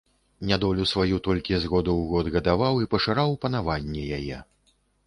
Нядолю сваю толькі з году ў год гадаваў і пашыраў панаванне яе.